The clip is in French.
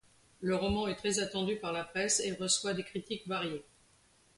Le roman est très attendu par la presse et reçoit des critiques variées.